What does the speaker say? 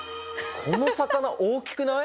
この魚大きくない？